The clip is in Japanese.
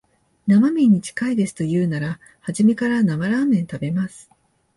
生めんに近いですと言うなら、初めから生ラーメン食べます